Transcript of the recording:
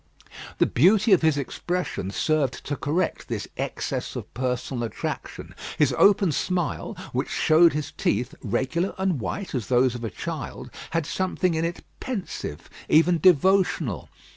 The beauty of his expression served to correct this excess of personal attraction. His open smile, which showed his teeth, regular and white as those of a child, had something in it pensive, even devotional.